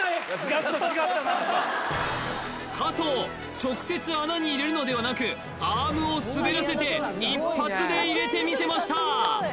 加藤直接穴に入れるのではなくアームをすべらせて一発で入れてみせました